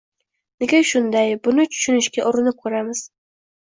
Nega shunday? Buni tushunishga urinib ko‘ramiz.